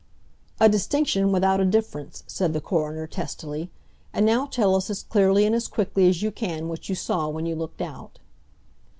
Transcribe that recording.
"A distinction without a difference," said the coroner testily. "And now tell us as clearly and quickly as you can what you saw when you looked out."